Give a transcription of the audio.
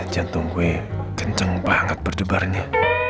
jantung gue kenceng banget berdebarnya